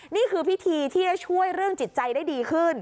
นี่คือพิธีที่จะช่วยเรื่องจิตใจได้ดีขึ้น